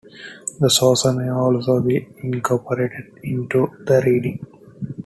The saucer may also be incorporated into the reading.